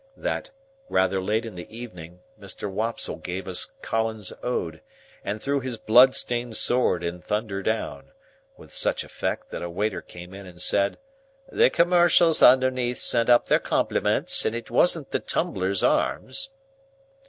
That, rather late in the evening Mr. Wopsle gave us Collins's ode, and threw his bloodstained sword in thunder down, with such effect, that a waiter came in and said, "The Commercials underneath sent up their compliments, and it wasn't the Tumblers' Arms."